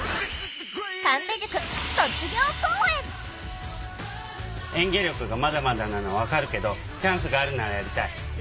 演技力がまだまだなのは分かるけどチャンスがあるならやりたい。